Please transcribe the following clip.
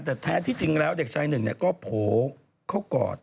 แต่แท้ที่จริงแล้วเด็กชายหนึ่งก็โผล่เข้ากอด